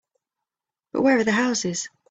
But where are the houses?